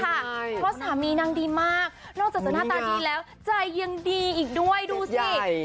เพราะสามีนางดีมากนอกจากจะหน้าตาดีแล้วใจยังดีอีกด้วยดูสิ